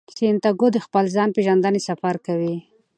سانتیاګو د خپل ځان پیژندنې سفر کوي.